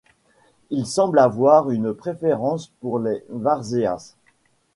Il semble avoir une préférence pour les varzeas.